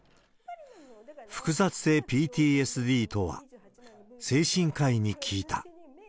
複雑性ＰＴＳＤとは、精神科医に聞いた。